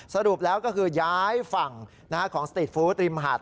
สรุปแล้วก็คือย้ายฝั่งของสตรีทฟู้ดริมหาด